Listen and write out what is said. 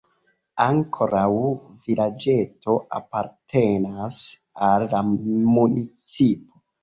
Ankoraŭ vilaĝeto apartenas al la municipo.